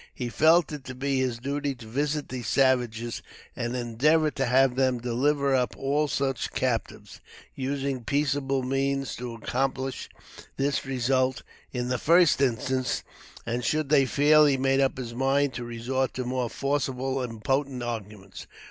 He felt it to be his duty to visit these savages and endeavor to have them deliver up all such captives, using peaceable means to accomplish this result in the first instance; and, should they fail, he made up his mind to resort to more forcible and potent arguments.